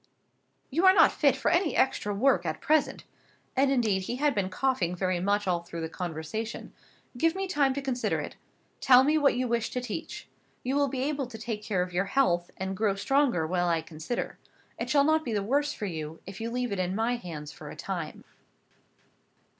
"You are not fit for any extra work at present," (and indeed he had been coughing very much all through the conversation). "Give me time to consider of it. Tell me what you wish to teach. You will be able to take care of your health, and grow stronger while I consider. It shall not be the worse for you, if you leave it in my hands for a time."